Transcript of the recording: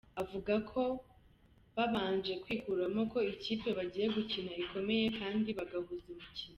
Avuga ko babanje kwikuramo ko ikipe bagiye gukina ikomeye, kandi bagahuza umukino.